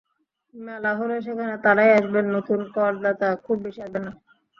মেলা হলে সেখানে তাঁরাই আসবেন, নতুন করদাতা খুব বেশি আসবেন না।